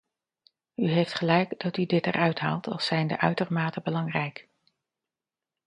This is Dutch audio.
U heeft gelijk dat u dit eruit haalt als zijnde uitermate belangrijk.